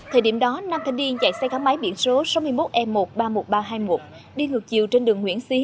thời điểm đó nam thanh niên chạy xe cá máy biển số sáu mươi một e một trăm ba mươi một nghìn ba trăm hai mươi một đi ngược chiều trên đường nguyễn xí